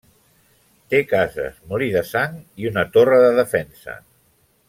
Té cases, molí de sang i una torre de defensa.